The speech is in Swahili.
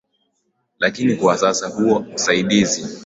lakini kwa sasa huo usaidizi